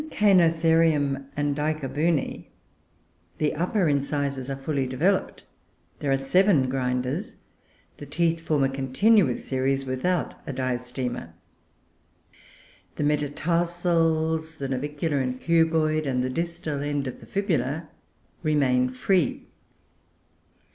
In Cainotherium and Dichobune the upper incisors are fully developed. There are seven grinders; the teeth form a continuous series without a diastema. The metatarsals, the navicular and cuboid, and the distal end of the fibula, remain free.